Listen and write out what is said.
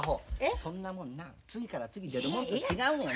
そんなもんな次から次に出るもんと違うねんな。